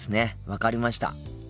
分かりました。